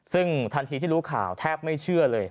ซึ่งทันทีที่รู้ข่าวแทบไม่เชื่อเลย